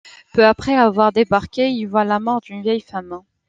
Peu après avoir débarqué, il voit la mort d'une vieille femme.